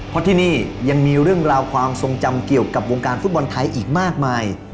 เพราะที่นี่ยังมีเรื่องราวความทรงจำเกี่ยวกับวงการฟุตบอลไทยอีกมากมาย